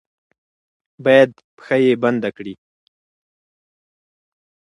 با ید پښه یې بنده کړي.